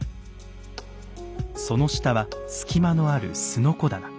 その下は隙間のあるすのこ棚。